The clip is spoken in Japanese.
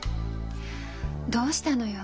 どうしたのよ。